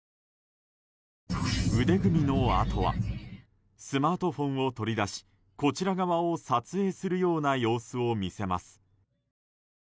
腕組みのあとはスマートフォンを取り出しこちら側を撮影するような様子を見せます。